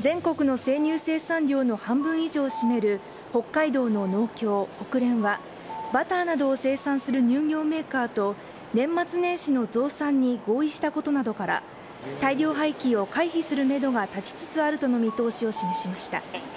全国の生乳生産量の半分以上を占める北海道の農協、ホクレンは、バターなどを生産する乳業メーカーと、年末年始の増産に合意したことなどから、大量廃棄を回避するメドが立ちつつあるとの見通しを示しました。